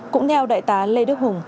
cũng theo đại tá lê đức hùng